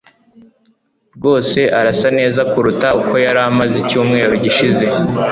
rwose arasa neza kuruta uko yari amaze icyumweru gishize